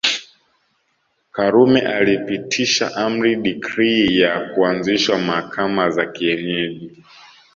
Karume alipitisha amri decree ya kuanzishwa mahakama za kienyeji